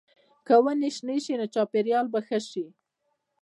که ونې شنې شي، نو چاپېریال به ښکلی شي.